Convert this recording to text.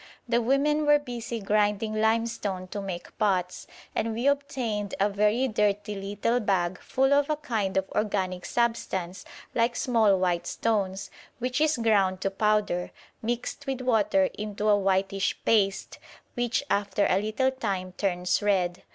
The women were busy grinding limestone to make pots; and we obtained a very dirty little bag full of a kind of organic substance like small white stones, which is ground to powder, mixed with water into a whitish paste, which after a little time turns red.